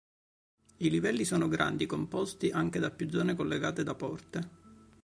I livelli sono grandi, composti anche da più zone collegate da porte.